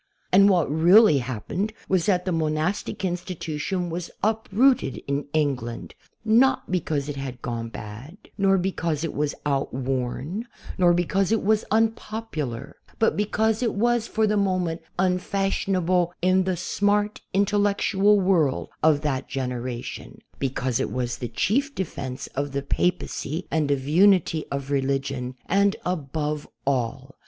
And what really happened was that the monastic institution CATHOLIC TRUTH IN HISTORY was uprooted in England not because it had gone bad, nor because it was *'outworn/' not because it was un popular, but because it was for the moment unfashion able in the smart intellectual world of that generation, because it was the chief defense of the Papacy and of unity of religion and, above all.